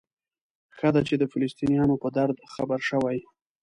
ښه ده چې د فلسطینیانو په درد خبر شوئ.